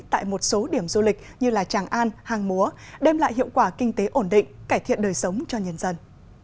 tại một số điểm du lịch như tràng an hàng múa đem lại hiệu quả kinh tế ổn định cải thiện đời sống cho nhân dân